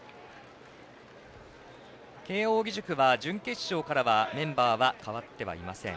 慶応義塾は準決勝からはメンバーは変わってはいません。